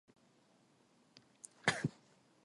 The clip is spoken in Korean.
분은 잔인하고 노는 창수 같거니와 투기 앞에야 누가 서리요